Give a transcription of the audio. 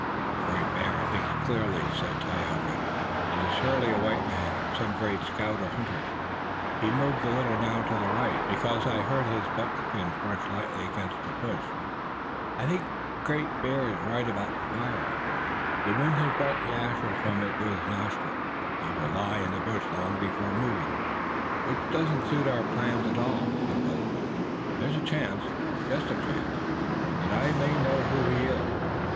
"The Great Bear thinks clearly," said Tayoga. "It is surely a white man and some great scout or hunter. He moved a little now to the right, because I heard his buckskin brush lightly against a bush. I think Great Bear is right about the fire. The wind has brought the ashes from it to his nostrils, and he will lie in the bush long before moving." "Which doesn't suit our plans at all," said Willet. "There's a chance, just a chance, that I may know who he is.